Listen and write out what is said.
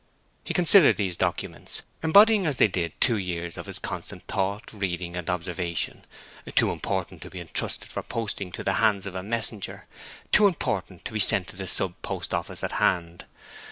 He considered these documents, embodying as they did two years of his constant thought, reading, and observation, too important to be entrusted for posting to the hands of a messenger; too important to be sent to the sub post office at hand.